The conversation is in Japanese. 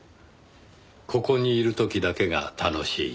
ここにいる時だけが楽しい。